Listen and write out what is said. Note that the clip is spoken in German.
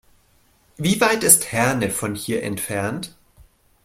Wie weit ist Herne von hier entfernt?